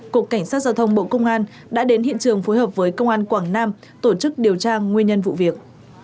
cục cảnh sát giao thông bộ công an đã đến hiện trường phối hợp với công an quảng nam tổ chức điều tra nguyên nhân vụ việc